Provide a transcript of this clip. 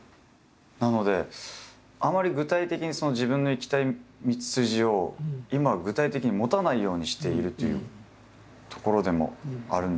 なのであまり具体的に自分の行きたい道筋を今具体的に持たないようにしているというところでもあるんですけれども。